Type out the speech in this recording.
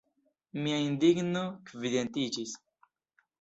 Mia indigno kvietiĝis.